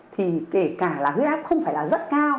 thì kể cả là huyết áp không phải là rất cao